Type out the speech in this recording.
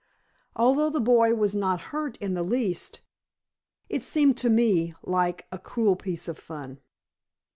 Although the boy was not hurt in the least, it seemed to me like a cruel piece of fun.